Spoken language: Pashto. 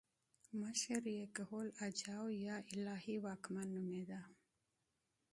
مشر یې کهول اجاو یا الهي واکمن نومېده